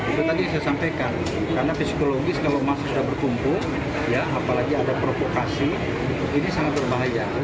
itu tadi yang saya sampaikan karena psikologis kalau massa sudah berkumpul apalagi ada provokasi ini sangat berbahaya